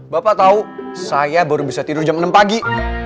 bapak tahu saya baru bisa tidur jam enam pagi